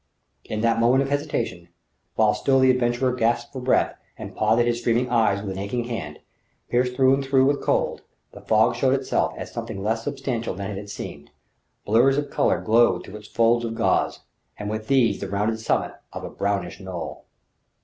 In that moment of hesitation, while still the adventurer gasped for breath and pawed at his streaming eyes with an aching hand, pierced through and through with cold, the fog showed itself as something less substantial than it had seemed; blurs of colour glowed through its folds of gauze, and with these the rounded summit of a brownish, knoll.